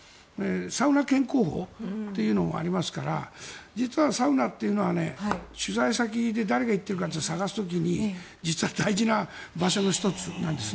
サウナ健康法というのがありますから実はサウナというのは取材先で誰が行っているか探す時に実は大事な場所の１つなんです。